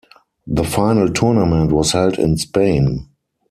The final tournament was held in Spain.